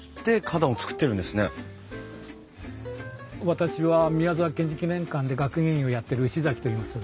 私は宮沢賢治記念館で学芸員をやってる牛崎といいます。